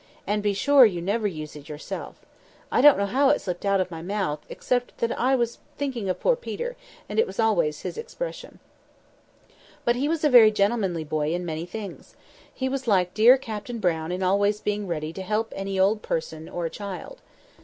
And be sure you never use it yourself. I don't know how it slipped out of my mouth, except it was that I was thinking of poor Peter and it was always his expression. But he was a very gentlemanly boy in many things. He was like dear Captain Brown in always being ready to help any old person or a child.